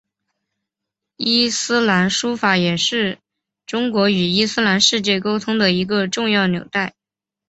伊斯兰书法也是中国与伊斯兰世界沟通的一个重要纽带。